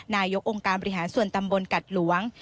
นายกองค์การบริหารส่วนตำบลกัดหลวง